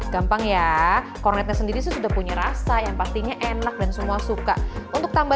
gampang ya kornetnya sendiri sih sudah punya rasa yang pastinya enak dan semua suka untuk tambah